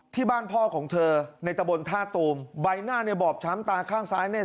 ที่บ้านพ่อของเธอในตะบนท่าตูมใบหน้าเนี่ยบอบช้ำตาข้างซ้ายเนี่ย